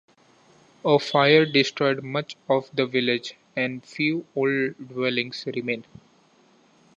A fire destroyed much of the village, and few old dwellings remain.